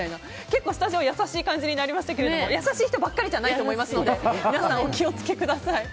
結構スタジオ優しい感じになりましたけど優しい人ばかりじゃないと思いますので皆さん、お気を付けください。